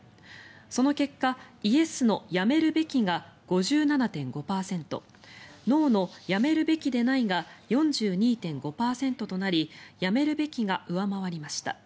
その結果イエスの辞めるべきが５７．５％ノーの辞めるべきでないが４２．５％となり辞めるべきが上回りました。